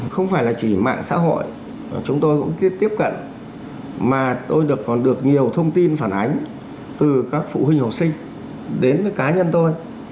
không phải chỉ mạng xã hội chúng tôi cũng tiếp cận mà tôi còn được nhiều thông tin phản ánh từ các phụ huynh học sinh đến cá nhân tôi